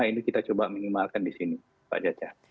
ini kita coba minimalkan di sini pak jaca